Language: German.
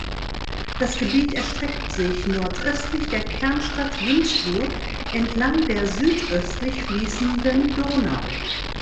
Das Gebiet erstreckt sich nordöstlich der Kernstadt Günzburg entlang der südöstlich fließenden Donau.